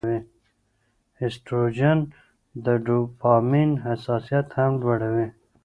ایسټروجن د ډوپامین حساسیت هم لوړوي.